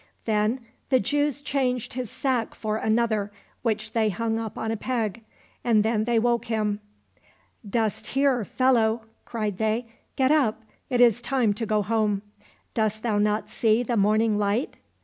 Then the Jews changed his sack for another, which they hung up on a peg, and then they woke him. " Dost hear, fellow !" cried they ;" get up, it is time to go home. Dost thou not see the morning light